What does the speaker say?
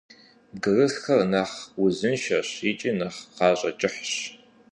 Бгырысхэр нэхъ узыншэщ икӏи нэхъ гъащӀэ кӀыхьщ.